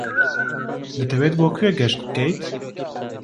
دەتەوێت بۆ کوێ گەشت بکەیت؟